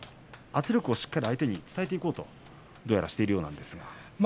圧力をしっかり相手に伝えていこうと、どうやらしているようなんですが。